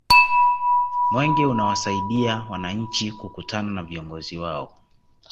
mwenge unawasaidia wananchi kukutana na viongozi wao